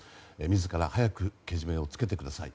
自ら早くけじめをつけてください。